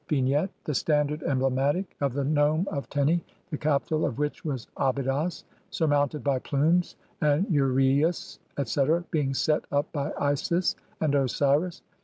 ] Vignette : The standard , emblematic of the nome of Teni , the capital of which was Abydos, surmounted by plumes and uraeus, etc., being set up by Isis and Osiris.